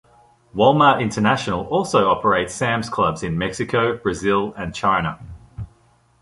Walmart International also operates Sam's Clubs in Mexico, Brazil, and China.